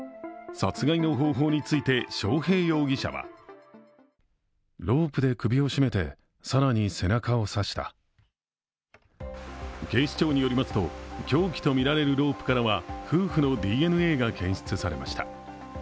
殺害の方法について章平容疑者は警視庁によりますと、凶器とみられるロープからは夫婦のＤＮＡが検出されました。